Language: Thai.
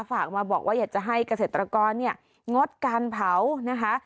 ฝากมาบอกว่าอยากจะให้เกษตรกรเนี่ยงดการเผานะคะ